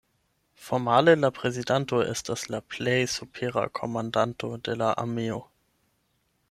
Formale la prezidanto estas la plej supera komandanto de la armeo.